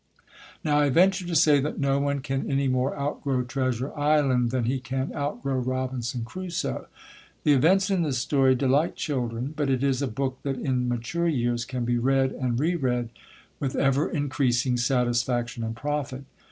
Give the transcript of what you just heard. Now I venture to say that no one can any more outgrow Treasure Island than he can outgrow Robinson Crusoe. The events in the story delight children; but it is a book that in mature years can be read and reread with ever increasing satisfaction and profit.